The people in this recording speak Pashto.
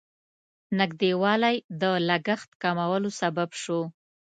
نږدېوالی د لګښت کمولو سبب شو.